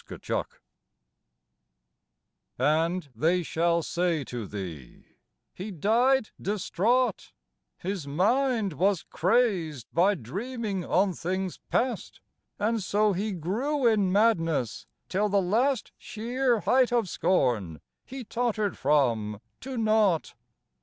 133 XL AND they shall say to thee, '' He died distraught ; His mind was crazed by dreaming on things past, And so he grew in madness till the last Sheer height of scorn he tottered from to naught.